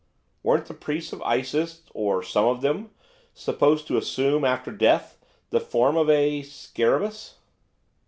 'Weren't the priests of Isis or some of them supposed to assume, after death, the form of a scarabaeus?